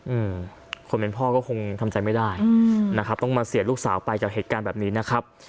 อืมคนเป็นพ่อก็คงทำใจไม่ได้อืมนะครับต้องมาเสียลูกสาวไปจากเหตุการณ์แบบนี้นะครับ